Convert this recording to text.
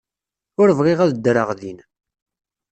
Ur bɣiɣ ad ddreɣ din.